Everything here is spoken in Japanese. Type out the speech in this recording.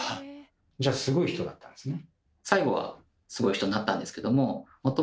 じゃすごい人だったんですね。